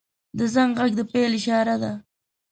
• د زنګ غږ د پیل اشاره ده.